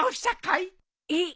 えっ？